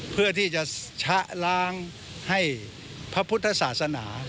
เพื่อที่จะชะล้างให้พระพุทธศาสนา